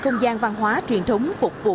không gian văn hóa truyền thống phục vụ